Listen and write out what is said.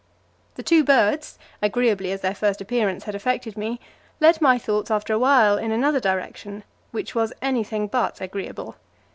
The two birds, agreeably as their first appearance had affected me, led my thoughts after a while in another direction, which was anything but agreeable.